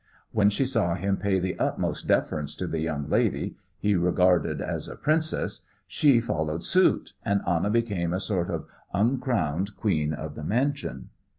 When she saw him pay the utmost deference to the young lady he regarded as a princess, she followed suit, and Anna became a sort of uncrowned queen of the mansion.